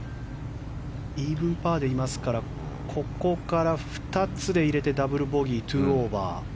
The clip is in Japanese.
イーブンパーでいますからここから２つで入れて、ダブルボギー２オーバー。